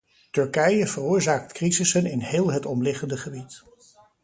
Turkije veroorzaakt crisissen in heel het omliggende gebied.